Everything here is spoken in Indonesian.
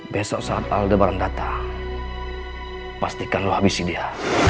besok saat aldebaran datang pastikan lo habisi dia